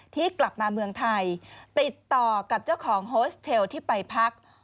ที่กลับมาเมืองไทยติดต่อกับเจ้าของโฮสเทลที่ไปพัก